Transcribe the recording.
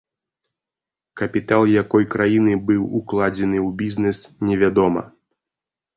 Капітал якой краіны быў укладзены ў бізнэс, невядома.